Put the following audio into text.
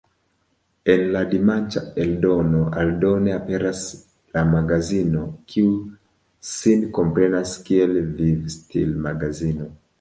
En la dimanĉa eldono aldone aperas la "Magazino", kiu sin komprenas kiel vivstil-magazino.